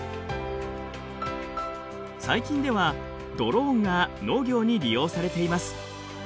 最近ではドローンが農業に利用されています。